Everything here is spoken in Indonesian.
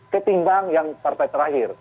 ketimbang yang partai terakhir